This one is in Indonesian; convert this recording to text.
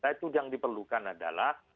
itu yang diperlukan adalah